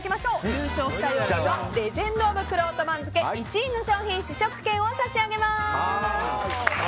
優勝した場合はレジェンド・オブ・くろうと番付１位の商品試食券を差し上げます。